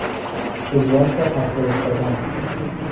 پژواک را پس فرستادن